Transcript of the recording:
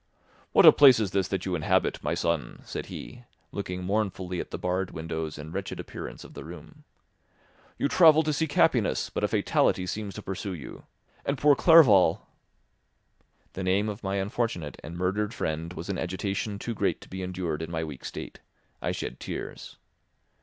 "What a place is this that you inhabit, my son!" said he, looking mournfully at the barred windows and wretched appearance of the room. "You travelled to seek happiness, but a fatality seems to pursue you. And poor Clerval—" The name of my unfortunate and murdered friend was an agitation too great to be endured in my weak state; I shed tears.